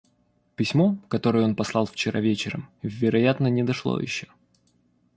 Письмо, которое он послал вчера вечером, вероятно, не дошло еще.